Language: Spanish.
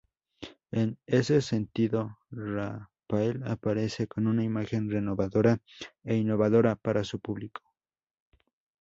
En ese sentido, Raphael aparece con una imagen renovadora e innovadora para su público.